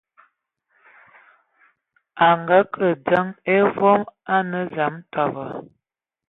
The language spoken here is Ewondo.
A ngaake a adzəŋ e voom a akǝ tɔbɔ.